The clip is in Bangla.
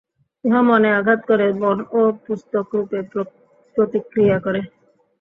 উহা মনে আঘাত করে, মনও পুস্তকরূপে প্রতিক্রিয়া করে।